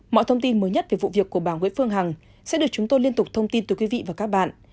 mọi thông tin mới nhất về vụ việc của bà nguyễn phương hằng sẽ được chúng tôi liên tục thông tin từ quý vị và các bạn